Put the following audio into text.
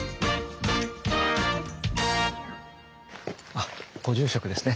あご住職ですね。